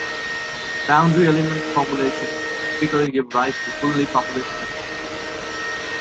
Boundary element formulations typically give rise to fully populated matrices.